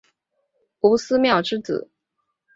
吴思穆之子。